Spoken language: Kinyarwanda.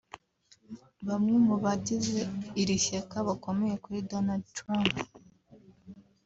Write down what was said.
Bamwe mu bagize iri shyaka bakomeye kuri Donald Trump